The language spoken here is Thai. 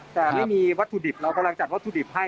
แต่ไม่มีวัตถุดิบเรากำลังจัดวัตถุดิบให้